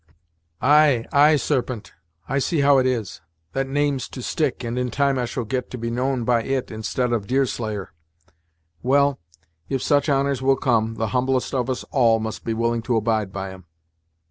"Ay, ay, Sarpent, I see how it is; that name's to stick, and in time I shall get to be known by it instead of Deerslayer; well, if such honours will come, the humblest of us all must be willing to abide by 'em.